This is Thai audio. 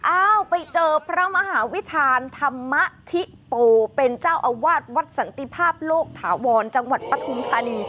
อ้าวไปเจอพระมหาวิชาณธรรมธิโปเป็นเจ้าอาวาสวัดสันติภาพโลกถาวรจังหวัดปฐุมธานี